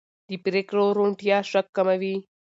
د پرېکړو روڼتیا شک کموي